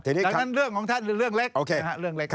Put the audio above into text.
ดังนั้นเรื่องของท่านคือเรื่องเล็ก